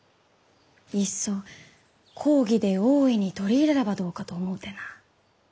いっそ公儀で大いに取り入れればどうかと思うてな。